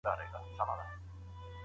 عدالت چي وي په لاس د شرمښانو